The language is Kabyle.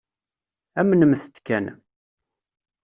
Amnemt-t kan.